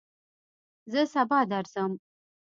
زه سبا درځم